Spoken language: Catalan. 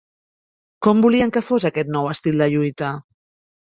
Com volien que fos aquest nou estil de lluita?